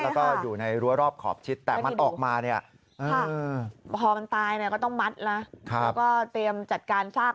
และอยู่ในรัวรอบขอบชิดแต่มันออกมา